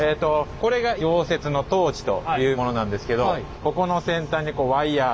これが溶接のトーチというものなんですけどここの先端にこうワイヤーが。